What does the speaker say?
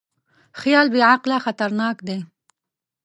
خیال بېعقله خطرناک دی.